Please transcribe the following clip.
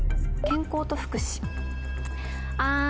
「健康と福祉」。